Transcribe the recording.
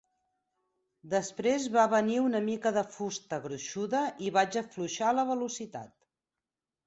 Després va venir una mica de fusta gruixuda i vaig afluixar la velocitat.